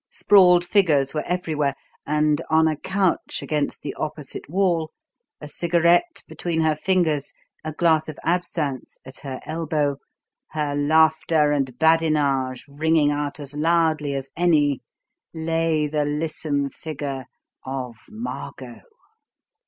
Sprawled figures were everywhere, and on a sort of couch against the opposite wall, a cigarette between her fingers, a glass of absinthe at her elbow, her laughter and badinage ringing out as loudly as any, lay the lissom figure of Margot!